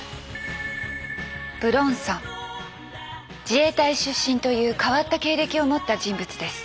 自衛隊出身という変わった経歴を持った人物です。